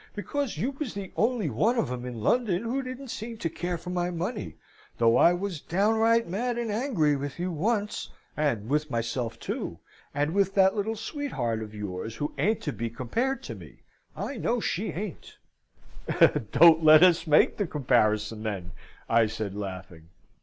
Because you was the only one of 'em in London who didn't seem to care for my money, though I was downright mad and angry with you once, and with myself too, and with that little sweetheart of yours, who ain't to be compared to me, I know she ain't." "Don't let us make the comparison, then!" I said, laughing.